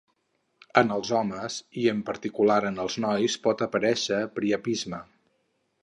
En els homes, i en particular en els nois, pot aparèixer priapisme.